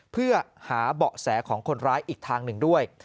เพื่อหาเบาะแสของคนร้ายอีกทางหนึ่งด้วย